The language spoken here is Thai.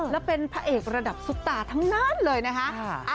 และเป็นพระเอกระดับซุปตาทั้งนั้นเลยนะคะ